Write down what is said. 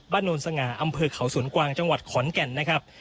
โนนสง่าอำเภอเขาสวนกวางจังหวัดขอนแก่นนะครับ